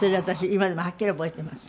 今でもはっきり覚えています。